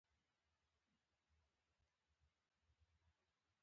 د وېښتیانو چپوالی خراب تاثیر لري.